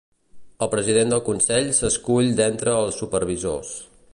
El president del consell s'escull d'entre els supervisors.